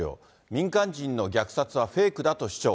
民間人の虐殺はフェイクだと主張。